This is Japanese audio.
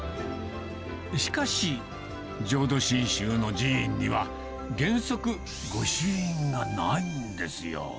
しかし、浄土真宗の寺院には、原則御朱印がないんですよ。